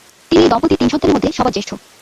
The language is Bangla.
তিনি এই দম্পতির তিন সন্তানের মধ্যে সবার জ্যেষ্ঠ।